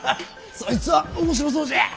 そいつは面白そうじゃ。